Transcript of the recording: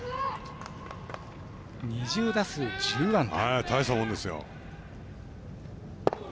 ２０打数１０安打。